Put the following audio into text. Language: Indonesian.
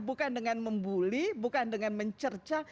bukan dengan membuli bukan dengan mencerca